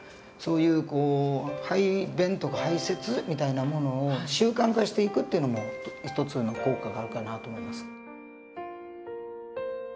そういう排便とか排泄みたいなものを習慣化していくっていうのも一つの効果があるかなと思います。